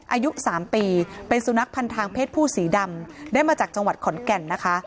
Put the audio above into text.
อายุ๓ปีเป็นสุนัขพันธ์ทางเพศผู้สีดำได้มาจากจังหวัดขอนแก่นนะคะ